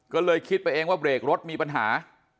ก็เลยคิดไปเองว่าเบรกรถมีปัญหา